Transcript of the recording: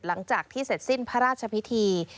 หลังจากที่เสร็จสิ้นพระราชพิธี